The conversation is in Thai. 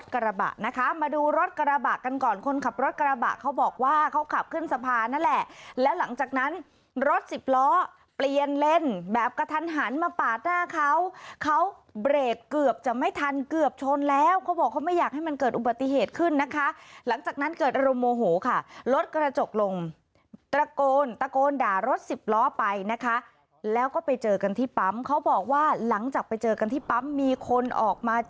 กลับขึ้นสะพานนั่นแหละแล้วหลังจากนั้นรถสิบล้อเปลี่ยนเล่นแบบกระทันหันมาปาดหน้าเขาเขาเบรกเกือบจะไม่ทันเกือบชนแล้วเขาบอกเขาไม่อยากให้มันเกิดอุบัติเหตุขึ้นนะคะหลังจากนั้นเกิดอารมณ์โมโหค่ะรถกระจกลงตะโกนตะโกนด่ารถสิบล้อไปนะคะแล้วก็ไปเจอกันที่ปั๊มเขาบอกว่าหลังจากไปเจอกันที่ปั